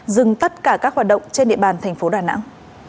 dừng tất cả các hoạt động trên địa bàn tp đà nẵng